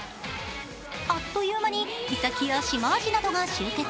あっという間にイサキやシマアジなどが集結。